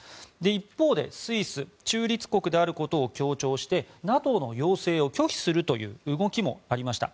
一方で、スイス中立国であることを強調してＮＡＴＯの要請を拒否するという動きもありました。